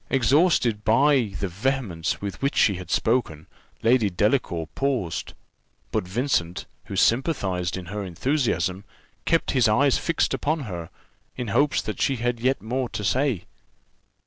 Exhausted by the vehemence with which she had spoken, Lady Delacour paused; but Vincent, who sympathized in her enthusiasm, kept his eyes fixed upon her, in hopes that she had yet more to say.